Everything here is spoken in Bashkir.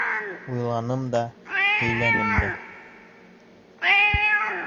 Уйландым да һөйләнем инде.